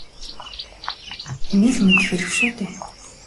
Таны л мэдэх хэрэг шүү дээ.